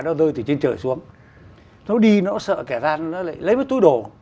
nó rơi từ trên trời xuống nó đi nó sợ kẻ gian nó lại lấy cái túi đồ